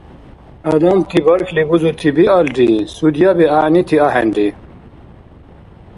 Адамти бархьли бузути биалри, судьяби гӀягӀнити ахӀенри.